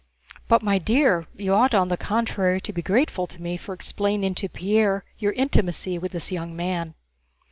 "But, my dear, you ought on the contrary to be grateful to me for explaining to Pierre your intimacy with this young man."